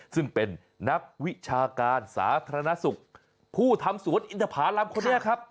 ซึ่งเป็นนักวิชาการสาธารณสุขผู้ทำสวนอินทภารำคนนี้ครับ